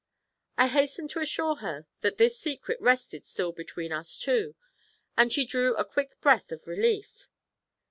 I hastened to assure her that this secret rested still between us two, and she drew a quick breath of relief.